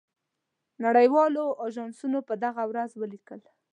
نړۍ والو آژانسونو په دغه ورځ ولیکل.